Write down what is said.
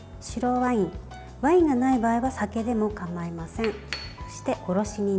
ワインがない場合は酒でも構いません。